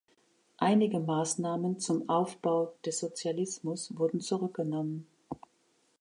Einige Maßnahmen zum "Aufbau des Sozialismus" wurden zurückgenommen.